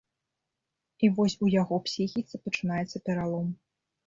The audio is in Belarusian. І вось у яго псіхіцы пачынаецца пералом.